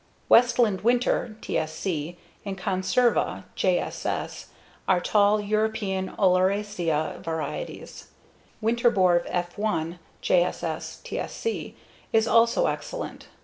Westland Winter (TSC) and Konserva (JSS) are tall European oleracea varieties. Winterbor F1 (JSS, TSC) is also excellent.